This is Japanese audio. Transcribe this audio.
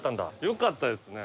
よかったですね。